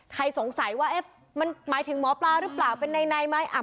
สงสัยว่ามันหมายถึงหมอปลาหรือเปล่าเป็นในไหม